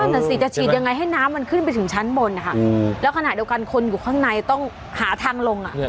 นั่นน่ะสิจะฉีดยังไงให้น้ำมันขึ้นไปถึงชั้นบนนะคะแล้วขณะเดียวกันคนอยู่ข้างในต้องหาทางลง